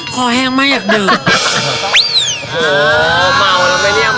คอแห้งม่ายากดื่ม